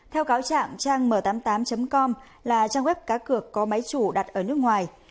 theo cáo trạng trang m tám mươi tám com là trang web cá cược có máy chủ đặt ở nước ngoài